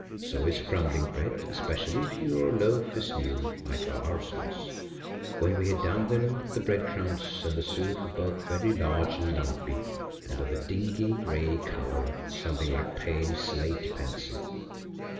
So is crumbling bread–especially if your loaf is new, like ours was. When we had done them the breadcrumbs and the suet were both very large and lumpy, and of a dingy grey colour, something like pale slate pencil.